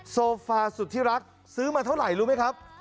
โซฟาสุดที่รักซื้อมาเท่าไหร่รู้ไหมครับ